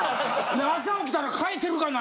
で朝起きたら換えてるかな